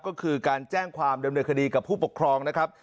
ก็คือการแจ้งความดำเนินคดีกับผู้ปกครองนะครับ